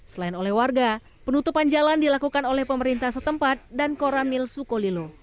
selain oleh warga penutupan jalan dilakukan oleh pemerintah setempat dan koramil sukolilo